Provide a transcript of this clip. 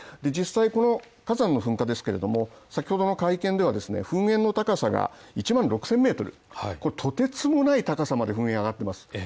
実際、火山の噴火ですけれども先ほどの会見では噴煙の高さが１万６０００ｍ、とてつもない高さまで噴煙が上がっています。